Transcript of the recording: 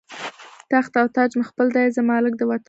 تخت او تاج مې خپل دی، زه مالک د دې وطن یمه